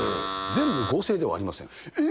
全部合成ではありません。え？